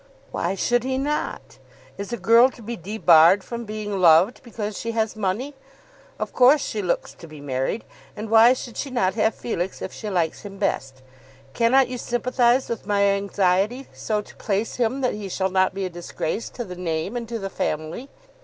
"Why should he not? Is a girl to be debarred from being loved because she has money? Of course she looks to be married, and why should she not have Felix if she likes him best? Cannot you sympathize with my anxiety so to place him that he shall not be a disgrace to the name and to the family?"